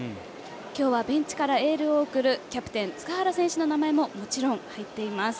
今日はベンチからエールを送るキャプテン、塚原選手の名前ももちろん入っています。